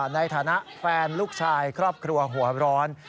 ในฐานะแฟนลูกชายครอบครัวหัวร้อน